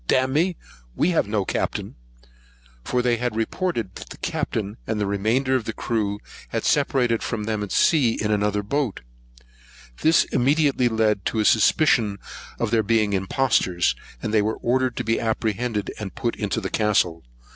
dam'me, we have no Captain;" for they had reported, that the Captain and remainder of the crew had separated from them at sea in another boat. This immediately led to a suspicion of their being impostors; and they were ordered to be apprehended, and put into the castle.